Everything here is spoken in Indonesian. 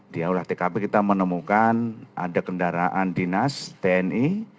di olah tkp kita menemukan ada kendaraan dinas tni